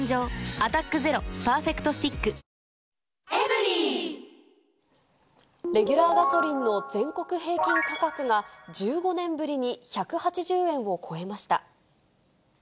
「アタックＺＥＲＯパーフェクトスティック」レギュラーガソリンの全国平均価格が、１５年ぶりに１８０円を超えました。